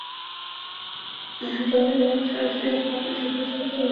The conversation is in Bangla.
রয় বয়েল সরাসরি আক্রমণের শিকার হতে চলেছেন কে তাকে আক্রমণ করবে?